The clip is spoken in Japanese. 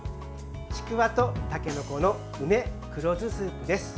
ちくわとたけのこの梅黒酢スープです。